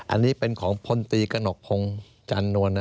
อันนี้เป็นของพลตีกระหนกพงศ์จันนวลนะ